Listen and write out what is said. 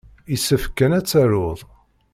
Yessefk kan ad tarud.